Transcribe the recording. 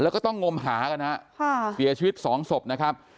แล้วก็ต้องงมหากันฮะเสียชีวิตสองศพนะครับ